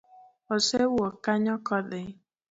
Osewuok kanyo kodhi?